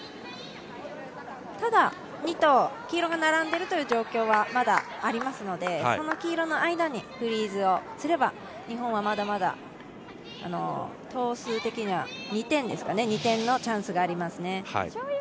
ただ、２投、黄色が並んでるという状況はまだありますのでその黄色の間にフリーズをすれば日本はまだまだ投数的には２点のチャンスがありますね。